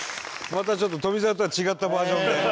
またちょっと富澤とは違ったバージョンで。